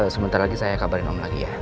sebentar lagi saya kabarin om lagi ya